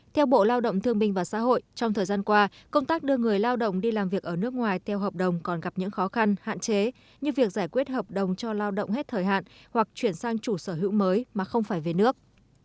theo bộ lao động thương minh và xã hội trong thời gian qua công tác đưa người lao động đi làm việc ở nước ngoài theo hợp đồng còn gặp những khó khăn hạn chế như việc giải quyết hợp đồng cho lao động hết thời hạn hoặc chuyển sang chủ sở hữu mới mà không phải về nước